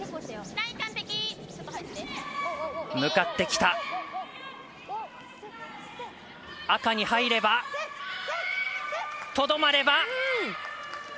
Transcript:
向かってきた、赤に入れば、とどまれば。